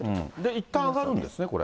いったんあがるんですね、これ。